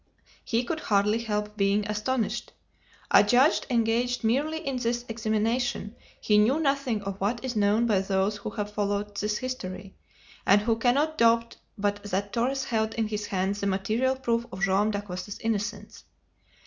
He could hardly help being astonished. A judge engaged merely in this examination, he knew nothing of what is known by those who have followed this history, and who cannot doubt but that Torres held in his hands the material proof of Joam Dacosta's innocence.